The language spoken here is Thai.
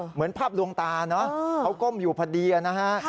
เหมือนภาพลวงตาเนอะเขาก้มอยู่พอดีนะฮะ